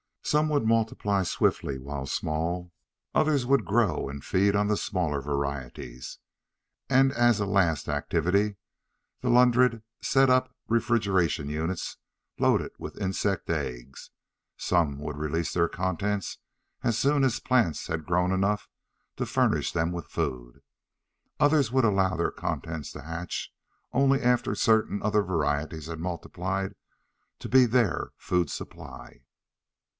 Some would multiply swiftly while small; others would grow and feed on the smaller varieties. And as a last activity, the Ludred set up refrigeration units loaded with insect eggs. Some would release their contents as soon as plants had grown enough to furnish them with food. Others would allow their contents to hatch only after certain other varieties had multiplied to be their food supply.